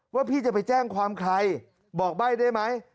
พี่จะไปแจ้งความใครบอกใบ้ได้ไหม